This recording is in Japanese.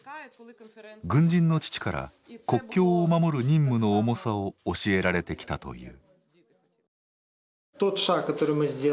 軍人の父から国境を守る任務の重さを教えられてきたという。